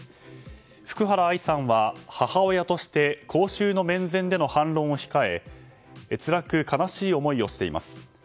福原愛さんは母親として公衆の面前での反論を控えつらく悲しい思いをしています。